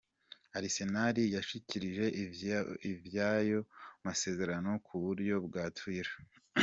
Arsenal yashikirije ivy'ayo masezerano ku buryo bwa Twitter:.